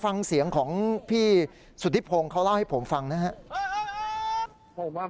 ฟังเสียงของพี่สุธิพงศ์เขาเล่าให้ผมฟังนะครับ